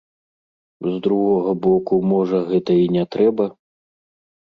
З другога боку, можа, гэта і не трэба?